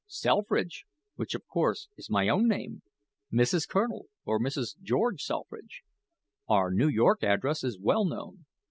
"Selfridge which, of course, is my own name. Mrs. Colonel, or Mrs. George Selfridge. Our New York address is well known.